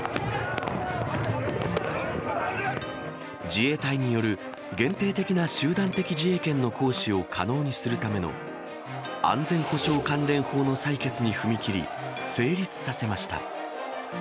自衛隊による限定的な集団的自衛権の行使を可能にするための安全保障関連法の採決に踏み切り、成立させました。